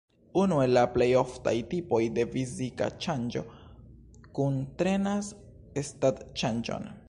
Unu el la plej oftaj tipoj de fizika ŝanĝo kuntrenas stat-ŝanĝon.